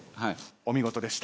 お見事でした。